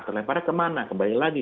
terleparnya ke mana kembali lagi